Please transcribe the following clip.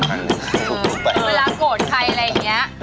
อ้าวคิดว่าเป็นพี่เอ๊ค่ะ